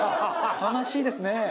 悲しいですね。